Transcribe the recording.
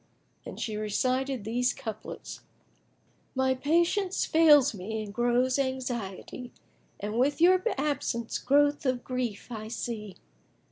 And she recited these couplets, "My patience fails me and grows anxiety; * And with your absence growth of grief I see.